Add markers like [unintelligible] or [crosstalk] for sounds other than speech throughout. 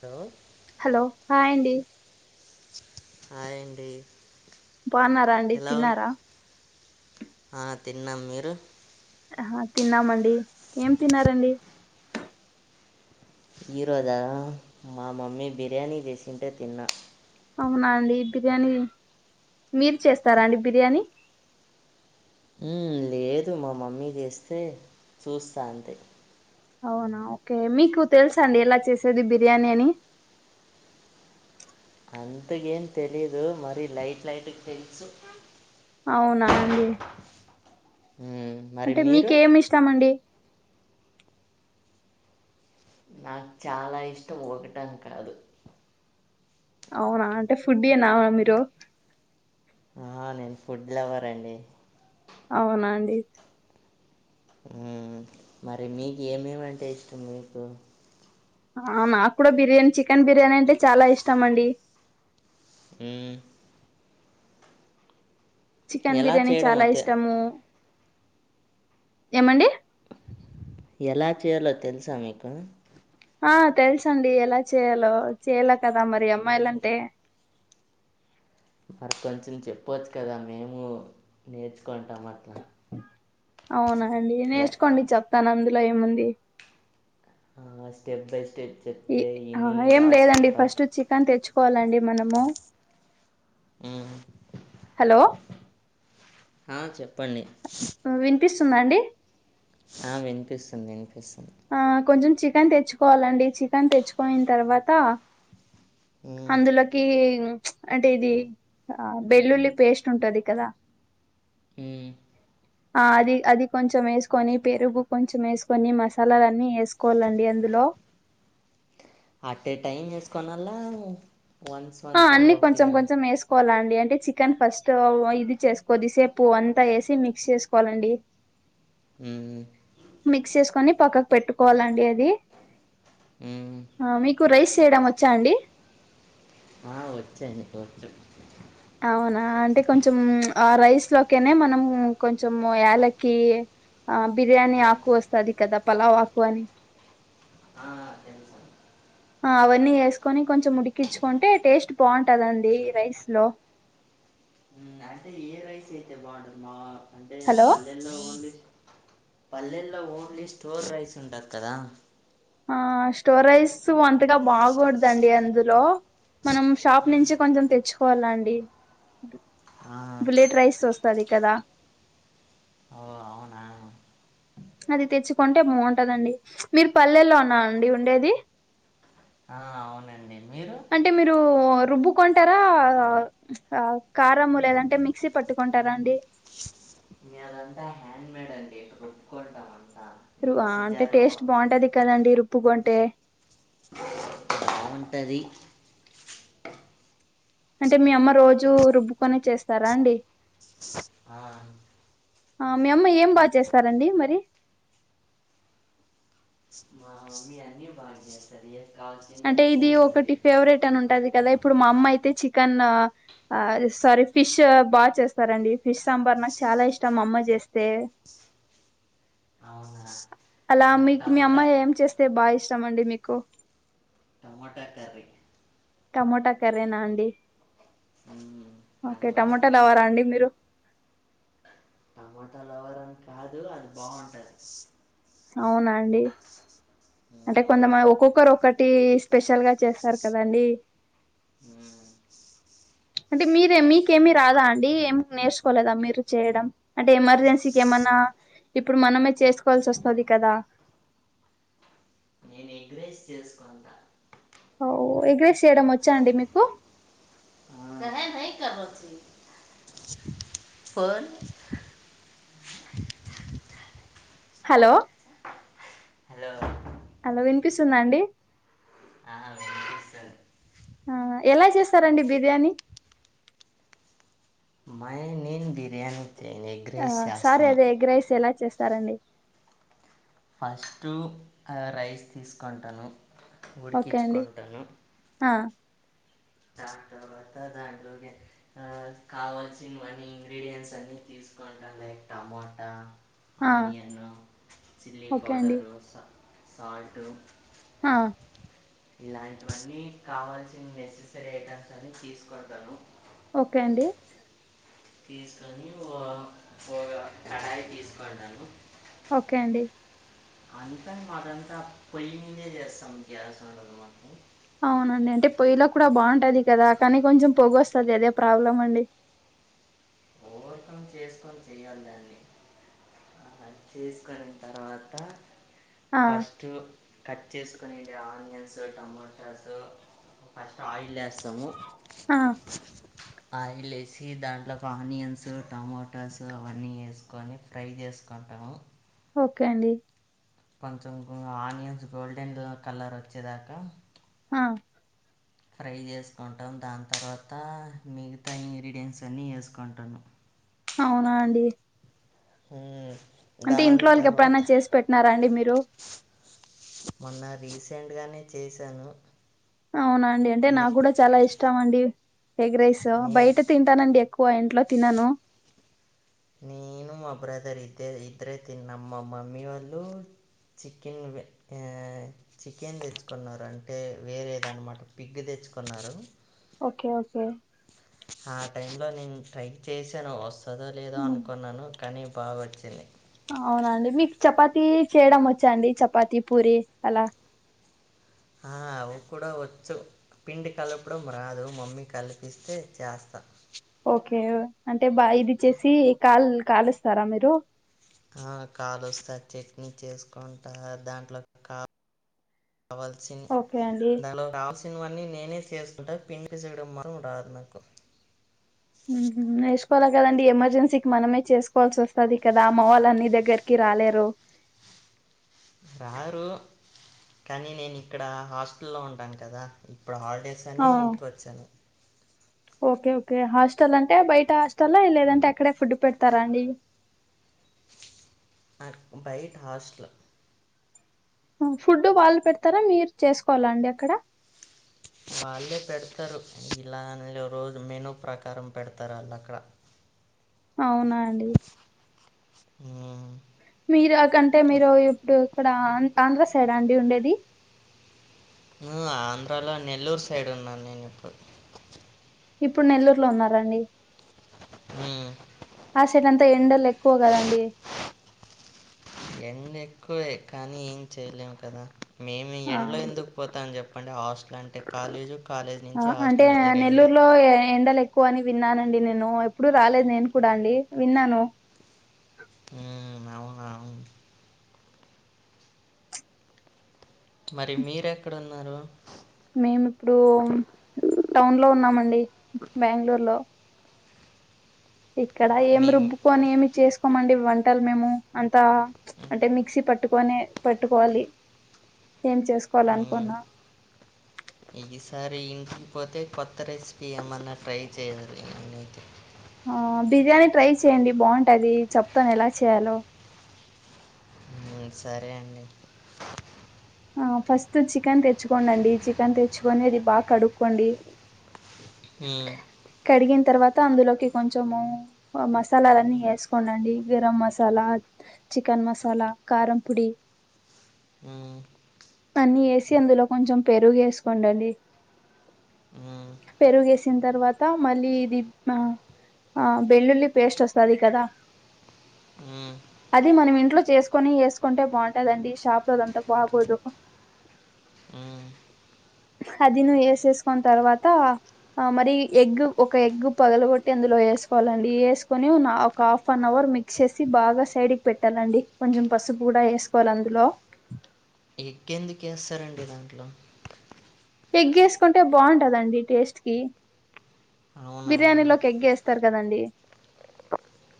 Hollow hello hi అండి hi అండి బావున్నారా అండి ఎలా ఉన్ తిన్నారా ఆ తిన్నాం మీరు ఆహ తిన్నామండి ఏం తిన్నారండి ఈరోజా మా మమ్మీ బిర్యానీ జేసింటే తిన్నా అవునా అండి బిర్యానీ మీరు చేస్తారా అండి బిర్యానీ ఉమ్ లే ఏదు మా మమ్మీ జేస్తే చూస్తా అంతే అవునా ఓకే మీకు తెలుసా అండి ఎలా చేసేది బిర్యానీ అని అంతగేం తెలీదు మరి లైట్ లైట్ గ్ తెలుసు అవునా అండి హుమ్ అంటే మీకేమి ఇష్టమండి నాకు చాలా ఇష్టం ఒకటని కాదు అవునా అంటే ఫుడి ఏనా మీరు ఆ నేను ఫుడ్ లవర్ అండి అవునా అండి ఉమ్ మరి మీకు ఏమేమి అంటే ఇష్టం మీకు ఆ నాకు కూడా బిర్యానీ చికెన్ బిర్యానీ అంటే చాలా ఇష్టం అండి ఆమ్ చికెన్ ఎలా బిర్యానీ చేయడమో చాలా తె ఇష్టము ఏమండి ఎలా చేయాలో తెలుసా మీకు ఆ తెలుసు అండి ఎలా చేయాలో చేయాల కదా మరి అమ్మాయిలు అంటే మరి కొంచెం చెప్పవచ్చు కదా మేము నేర్చుకుంటాం అట్లా అవునా అండి యా నేర్చుకోండి చెప్తాను అందులో ఏముంది ఆ స్టెప్ బై స్టెప్ చెప్తే ఆ విని ఏం లేదండి రాసుకుంటాం ఫస్ట్ చికెన్ తెచ్చుకోవాలండి మనము ఆమ్ హలో ఆ చెప్పండి ఆ వినిపిస్తుందా అండి ఆ వినిపిస్తుంది వినిపిస్తుంది ఆ కొంచెం చికెన్ తెచ్చుకోవాలండి చికెన్ తెచ్చుకునిన తర్వాత మ్మ్, అందులోకి అంటే ఇది ఆ వేల్లుల్లి పేస్ట్ ఉంటది కదా హు ఆ అది అది కొంచెం వేసుకొని పెరుగు కొంచెం ఎసుకొని [unintelligible] [unintelligible] వేసుకోవాలండి అందులో అటే టైం వేసుకోనలా వన్స్ ఆ వన్స్ అన్ని కొంచెం ఒక్కొక్కటిగా కొంచెం కోవాలండి అంటే చికెన్ ఫస్ట్ ఇది చేసుకోద్ది సేపు అంతా ఎసి మిక్స్ చేసుకోవాలండి ఉ మిక్స్ చేసుకొని పక్కకు పెట్టుకోవాలండి అది మ్మ్. మీకు రైస్ చేయడం వచ్చ అండి [unintelligible] అవునా అంటే కొంచం ఆ రైస్ లోకనే మనం కొంచం యాలకి ఆ బిర్యానీ ఆకు వస్తాది కదా పలావ్ ఆకు అని ఆ [unintelligible] ఆ అవన్నీ వేసుకొని కొంచెం ఉడికించుకుంటే టేస్ట్ బాగుంటదిండి రైస్ లో మ్మ్, అంటే ఏ రైస్ అయితే బాగుం హలో [unintelligible] [unintelligible] పల్లెల్లో ఓన్లీ స్టోర్ రైస్ ఉంటది కదా ఆ స్టోర్ రైస్ అంతగ బాగోదండి అందులో మనం షాప్ మ్మ్. నుంచి కొంచెం తెచ్చుకోవాల అండి ఆ బులెట్ రైస్ వస్తది కదా ఓ అవునా అది తెచ్చుకుంటే బాగుంటదండి మీరు పల్లెల్లో [unintelligible] అండి ఉండేది ఆ అవునండి మీరు అంటే మీరు రుబ్బు కొంటార ఆ కారం లేదంటే మిక్సీ పట్టుకుంటార అండి [unintelligible] హ్యాండ్ మేడ్ అండి [unintelligible] అంటే జార్లో టేస్ట్ బాగుంటది కదండి రుప్పు [unintelligible] ఉంటది అంటే మీ అమ్మ రోజు రుబ్బుకొనే చేస్తార అండి ఆ ఆ మీ అమ్మ ఏం బాగ చేస్తారండి మరి మా మమ్మీ అన్నీ బాగ చేస్తది అంటే ఇది ఒకటి ఏది [unintelligible] [unintelligible] ఉంటది కదా ఇప్పుడు మా అమ్మ అయితే చికన్ ఆ సారీ ఫిష్ బాగ చేస్తారండి ఫిష్ సాంబార్ నాకు చాలా ఇష్టం అమ్మ చేస్తే అవున అల మీకు మీ అమ్మ ఏం చేస్తే బాగ ఇష్టం అండి మీకు టమాట కర్రీ టమోట కర్రీ నాఅండి అ ఓకే టమోట లవర అండి మీరు టమాట లవర్ [unintelligible] కాదు అది బాగుంటది అవున అండి అంటే మ్మ్ కొంతమంది ఒక్కొక్కరు ఒక్కటి స్పెషల్గా చేస్తారు కదండి హు అంటే మీరే మీకేమి రాదా అండి ఏమి నేర్చుకోలేదా మీరు చేయడం అంటే ఎమర్జెన్సీకి ఏమన్నా ఇప్పుడు మనమే చేసుకోవాల్సి వస్తుంది కదా నేను ఎగ్రీస్ చేసుకుంటా ఓ ఎగ్రేస్ చేయడం వచ్చానండి మీకు [unintelligible] కవచ్చ ఫొన్ హలో హలో అలో వినిపిస్తుందా అండి ఆ వినిపిస్తది ఆ ఎలా చేస్తారండి బిర్యానీ మై నీ బిర్యానీ చేయలే ఆ సరే అదే ఎగ్గ్రిస్ ఎలా చేస్తారండి ఫస్ట్ రైస్ తీసుకుంటాను ఓకే అండి ఉడికించుకుంటాను ఆ దాని తర్వాత దాని లోగే ఆ కావల్సినవన్న ఇంగ్రీడియంయంట్స్ అన్ని తీసుకుంటాం లైక్ టమోటా ఆ ఆనియను చి చిల్లీ ఓకే అండి పౌడరు సా సాల్టు హా ఇలాంటివన్నీ కావాల్సిన నెసెసరీ ఐటెమ్స్ అని తీసుకుడతాను ఓకే అండి తీసుకొని ఓ ఒక కడాయి తీసుకుటాను ఓకే అండి అంత మాది అంత పొయ్యి మీదనే చేస్తాం గ్యాస్ ఉండదు మాకు అవునండి అంటే పొయ్యిలో కూడా బాగుంటది కదా కానీ కొంచెం పొగి వస్తుంది అదే ప్రాబ్లం అండి ఓవర్కమ్ చేసుకొని చెయాలి దాన్ని అ చేసుకుని తర్వాత ఆ ఫస్ట్ కట్ చేసుకునే ఆనియన్స్ టమోటాస్ ఫస్ట్ ఆయిల్ వేస్తాము ఆ ఆయిల్ ఏసి దానీలోకి ఆనియన్స్ స్ టమాటాస్ అవన్నీ వేసుకొని ఫ్రై చేసుకుంటాము ఓకే అండి కొంచెం ఆనియన్స్ గోల్డెన్ కలర్ వచ్చేదాకా హా ఫ్రై చేసుకుంటాం దాని తర్వాత మిగతా ఇంగ్రీడియంట్స్ అన్నీ వేసుకుంటాను అవునా అండి మ్మ్ అంటే ఇంట్లో వాళ్ళకి ఎప్పుడై చేసి పెట్టినారా అండి మీరు మొన్న రీసెంట్గానే చేశాను అవునండి అంటే నే నాకు కూడా చాలా ఇష్టం అండి ఎగరైస్ నే బయట తి తంటానండి ఎక్కువ ఇంట్లో తినను నేను మా బ్రదర్ ఇద్దే ఇద్దరే తినం మా మమ్మీ వాళ్ళు చికెన్ వె యే చికెన్ తెచ్చుకున్నారంటే వేరే ఏదన్నమాట పిగ్గు తెచ్చుకున్నారు ఓకే ఓకే ఆ టైంలో నిన్ ట్రై చేశాను వస్తదో లేదో అనుకున్నాను కానీ బా ఒచ్చింది అవునాండి మీక్ చపాతి చేయడం ఒచ్చా అండి చపాతి పూరి అలా హా అవ్ కూడా ఒచ్చు పిండి కలపడం రాదు మమ్మీ కలిపిస్తే చేస్తా ఓకే అంటే బా ఇదిచ్చసి కాల్ కాల్స్తారా మీరు హా కాలుస్తా చట్నీ చేసుకుంటా దాంట్లో కా కవల్సి ఓకే అండి దాలో కావల్స్ ఇన్ వన్నీ నేనే చేసుకుంటా పిండి చేయడం మరం రాద్ నాకు ఉహ్మ్ నేర్చకోవాల కదండి ఎమర్జెన్సీక్ మనమే చేసుకోవాల్సి ఒస్తది కదా అమ్మ వాళ్ళన్ని దగ్గరికి రాలేరు రారు కానీ నేనిక్కడ హాస్టల్లో ఉంటాను కదా ఇప్పుడు హాలిడేస్ తనీ అవును ఇంటికోచ్చాను ఓకే ఓకే హాస్టల్ అంటే బయట హాస్టల్ లేదంటే అక్కడే ఫుడ్ పెడతారా అండి అ బయట హాస్టల్ ఉ ఫుడ్డు వాళ్ళు పెడతారా మీరు చేసుకోవాలా అండి అక్కడ వాళ్ళే పెడతారు ఇలా న్లే రోజు మెనూ ప్రకారం పెడతార్ ఆళ్ళక్కడ అవునా అండి ఊహ్ మీరా కంటే మీరు ఇప్పుడు ఇక్కడ ఆంధ్ర సైడా అండి ఉండేది ఉ ఆంధ్రాలో నెల్లూరు సైడ్ ఉన్నాన్ నేనిప్పుడు ఇప్పుడ్ నెల్లూరు లో ఉన్నారండి ఉ ఆ సెట్ అంతా ఎండల్ ఎక్కువ గదండి ఎన్న్ ఎక్కువే కానీ ఏం చేయలేము కదా మేము ఆ ఎండ్ లో ఎందు పోతాం జెప్పండి హాస్టల్ అంటే కాలేజు కాలేజ్ అ నుంచి అంటే హాస్టల్ ఈ రెండే నెల్లూరులో ఏ ఎండ లెక్ క్కువ అని విన్నానండి నేను ఎప్పుడు రాలేద్ నేను కూడా అండి విన్నాను ఊమ్ నవునవును మరి మీరేక్కడున్నారు మేమ్ ఇప్పుడు టౌన్ లో ఉన్నామండి బెంగళూర్ లో ఇక్కడ ఏమ్ మీ రుబ్బుకోని ఏమి చేసుకోమండి వంటల్ మేము అంతా అంటే మిక్సీ పట్టుకొనే పట్టుకోవాలి ఏం చేసుకోవాలనుకున్నా ఈగిసారి ఇంటికి పోతే కొత్త రెసిపీ ఏమన్నా ట్రై చేయాలి నేనైతే ఆ బిర్యానీ ట్రై చె్యండి బావుంటది చెప్తాన్ ఎలా చేయాలో ఉ సరే అండి ఆ ఫస్ట్ చికెన్ తెచ్చుకోండండి చికెన్ తెచ్చుకొని ఇది బా కడుక్కోండి హు కడిగిన్ తర్వాత అందులోకి కొంచెము అ మసాలాలన్నీ ఏస్కోండండి గెరం మసాలా చికెన్ మసాలా కారం పుడి ఉ అన్ని వేసి అందులో కొంచెం పెరుగు వేసుకోండి అవి ఆ పెరుగేసిన తర్వాత మళ్ళీ ఇది ఆ ఆ వెల్లుల్లి పేస్ట్ వస్తది కదా మ్మ్. అది మనం ఇంట్లో చేసుకొని వేసుకుంటే బాగుంటదండి షాప్ లోది అంతా బాగోదు ఉ అది ను వేసేసుకున్న తర్వాత మరి ఎగ్ ఒక ఎగ్ పగలగొట్టి అందులో వేసుకోవాలండి వేసుకొని ఒక హాఫ్ అన్ అవర్ వచ్చేసి బాగా సైడ్ కి పెట్టాలండి కొంచెం పసుపు కూడా వేసుకోవాలి అందులో ఎగ్ ఎందుకెస్తారండి దాంట్లో ఎగ్ వేసుకుంటే బాగుంటదండి టేస్ట్ కి అవునా బిర్యానీలోకి ఎగ్ వేస్తారు కదండి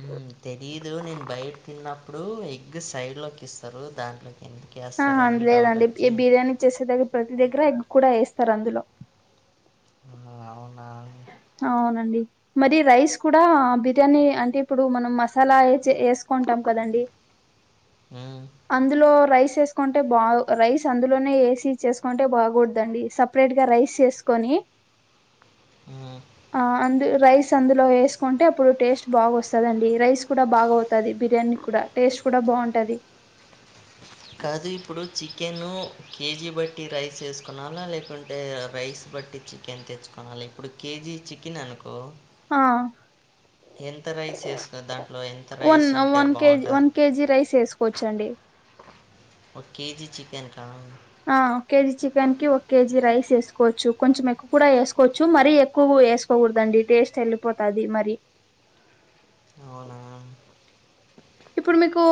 మ్మ్. తెలీదు నేను బయట తిన్నప్పుడు ఎగ్ సైడ్ లోకి ఇస్తారు దాంట్లోకి వేస్తారు ఆహా అని డౌట్ లేదండి ఏ వచ్చి బిర్యానీ చేసే దగ్గర ప్రతి దగ్గర ఎగ్ కూడా వేస్తారు అందులో ఆ అవునా అవునండి మరి రైస్ కూడా బిర్యానీ అంటే ఇప్పుడు మనం మసాలా వేసుకుంటాం కదండి ఉ అందులో రైస్ వేసుకుంటే బా రైస్ అందులోనే ఏసి చేసుకుంటే బాగూడదండి సపరేట్ గా రైస్ వేసుకొని ఆ ఆ అందు రైస్ అందులో వేసుకుంటే అప్పుడు టేస్ట్ బాగా వస్తుందండి రైస్ కూడా బాగా అవుతుంది బిర్యానీ కూడా టేస్ట్ కూడా బాగుంటది కాదు ఇప్పుడు చికెను కేజీ బట్టి రైస్ వేసుకునాలా లేకుంటే రైస్ బట్టి చికెన్ చికెన్ తెచ్చుకోవాలి ఇప్పుడు కేజీ చికెన్ అనుకో ఆ ఎంత రైస్ వేస్తావ్ దాంట్లో ఎంత వన్ రైస్ ఉంటే వన్ కేజీ బావుంటది? వన్ కేజీ రైస్ వేసుకోవచ్చండి ఒక కేజీ చికెన్ కా ఆ ఒక కేజీ చికెన్ కి ఒక కేజీ రైస్ వేసుకోవచ్చు కొంచెం ఎక్కువ కూడా వేసుకోవచ్చు మరీ ఎక్కువ వేకో పోకూడదండి టేస్ట్ వెళ్ళిపోతుది మరి అవునా ఇప్పుడు మీకు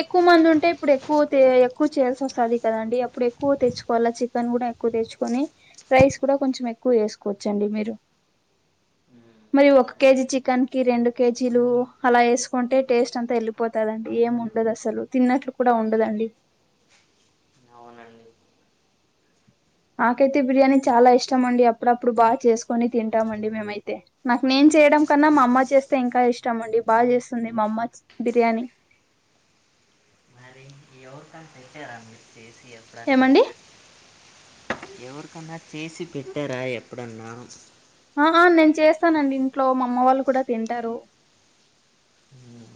ఎక్కువ మంది ఉంటే ఇప్పుడు ఎక్కువ మంది ఎక్కువ చేయాల్సి వస్తుంది కదండి అప్పుడు ఎక్కువ తెచ్చు మల్ల చికెన్ కూడా ఎక్కువ తెచ్చుకొని రైస్ కూడా కొంచెం ఎక్కువ వేసుకోవచ్చండి మీరు హ్మ్. మరి ఒక సరే కేజీ అండి. చికెన్ కి రెండు కేజీలు అలా వేసుకుంటే టేస్ట్ అంతా వెళ్ళిపోతుంది పోతుదండి ఏం ఉండదు అసలు తిన్నట్లు కూడా ఉండదండి అవునండి నాకైతే బిర్యానీ చాలా ఇష్టం అండి అప్పుడప్పుడు బాగా చేసుకొని తింటామండి మేమైతే నాకు నేను చేయడం కన్నా మా అమ్మ చేస్తే ఇంకా ఇష్టం అండి బాగా చేస్తుంది మా అమ్మ బిర్యానీ మరి ఎవరికన పెట్టారా మీరు చేసి ఎప్పుడన్నా ఏమండి ఎవరికన్నా చేసి పెట్టారా ఎప్పుడన్నా ఆ నేను చేస్తానండి ఇంట్లో మా అమ్మ వాళ్ళు కూడా తింటారు హ్మ్.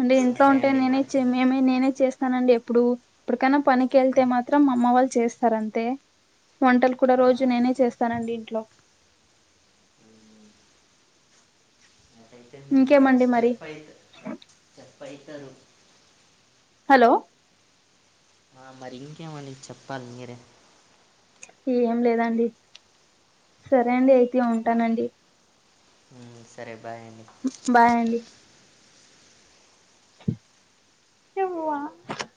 అంటే ఇంట్లో సరే అండి ఉంటేనే మరి. మేమే నేనే చేస్తానండి ఎప్పుడు ఇప్పటికైనా పనికి వెళ్తే మాత్రం అమ్మ వాళ్ళు చేస్తారంతే వంటలు కూడ ఆ! రోజు నేనే చేస్తానండి ఇంట్లో హ్మ్. అటైతే మీరు ఇంకేమండి మంచి మరి చెఫ్ అయితే. [unintelligible] హలో మరి ఇంకేమని చెప్పాలి మీరే ఏం లేదండి సరే అండి అయితే ఉంటానండి ఆ సరే బాయ్ అండి బాయ్ అండి [unintelligible]